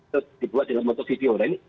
terus dibuat dalam bentuk video